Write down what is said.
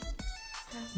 ini adalah bag oase